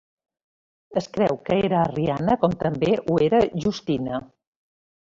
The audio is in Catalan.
Es creu que era arriana com també ho era Justina.